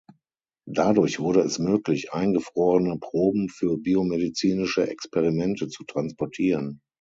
Dadurch wurde es möglich, eingefrorene Proben für biomedizinische Experimente zu transportieren.